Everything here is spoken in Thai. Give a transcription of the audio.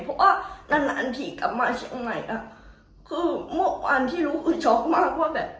เพราะว่านานนานผีกลับมาเชียงใหม่อ่ะคือเมื่อวานที่รู้คือช็อกมากว่าแบบ